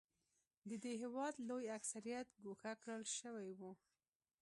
د دې هېواد لوی اکثریت ګوښه کړل شوی و.